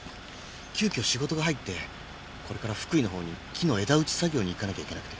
急きょ仕事が入ってこれから福井のほうに木の枝打ち作業に行かなきゃいけなくて。